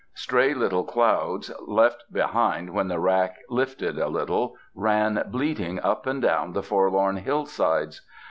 Stray little clouds, left behind when the wrack lifted a little, ran bleating up and down the forlorn hill sides.